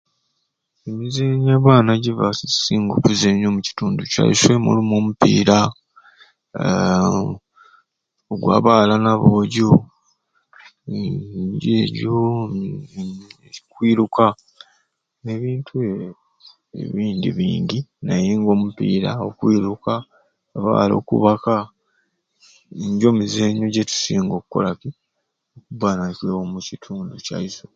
Emizenyo abaana gibakusinga okuzenyera omukitundu kyaiswe mulimu omupiira aaa ogw'abaala n'aboojo ee nigyo egyo n'okwiruka n'ebintu ebindi bingi naye nga omupiira okwiruka abaala okubaka nigyo mizenyo gitusinga okukola omukitundu kyaiswe.